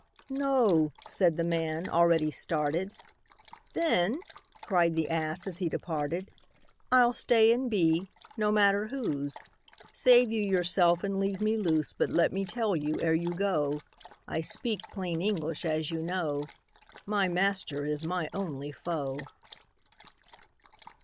"No," said the man, already started. "Then," cried the ass, as he departed "I'll stay, and be no matter whose; Save you yourself, and leave me loose But let me tell you, ere you go, (I speak plain English, as you know,) My master is my only foe."